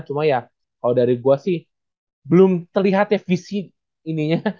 cuma ya kalau dari gue sih belum terlihat ya visi ininya